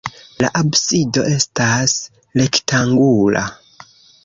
La absido estas rektangula.